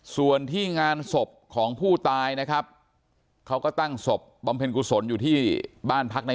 ส่วนที่งานศพของผู้ตายนะครับเขาก็ตั้งศพบำเพ็ญกุศลอยู่ที่บ้านพักใน